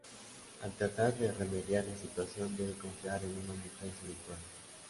Al tratar de remediar la situación, debe confiar en una mujer seductora.